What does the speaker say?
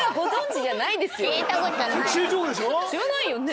知らないよね？